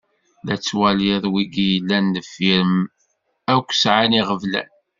La tettwaliḍ wigi yellan ddeffir-m akk sɛan iɣeblan.